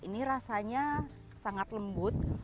ini rasanya sangat lembut